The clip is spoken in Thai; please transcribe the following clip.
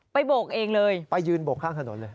โบกเองเลยไปยืนโบกข้างถนนเลย